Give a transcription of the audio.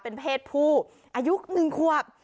เป็นเพศผู้อายุ๑ควบ